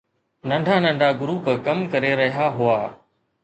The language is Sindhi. ننڍا ننڍا گروپ ڪم ڪري رهيا هئا